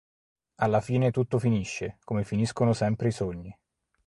Alla fine tutto finisce, come finiscono sempre i sogni.